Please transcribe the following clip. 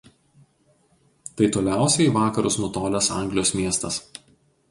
Tai toliausiai į vakarus nutolęs Anglijos miestas.